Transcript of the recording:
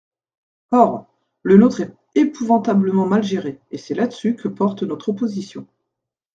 Or, le nôtre est épouvantablement mal géré, et c’est là-dessus que porte notre opposition.